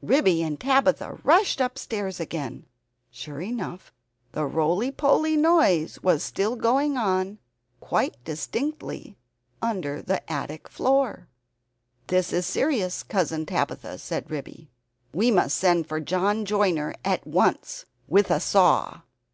Ribby and Tabitha rushed upstairs again. Sure enough the roly poly noise was still going on quite distinctly under the attic floor. "This is serious, Cousin Tabitha," said Ribby. "We must send for John Joiner at once, with a saw."